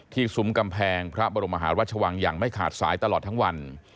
ซุ้มกำแพงพระบรมหาราชวังอย่างไม่ขาดสายตลอดทั้งวัน